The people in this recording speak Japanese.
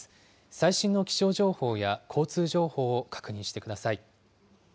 最新の気象情報や交通情報を確認してください。